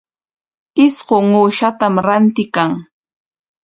Isqun uushatam rantiykan.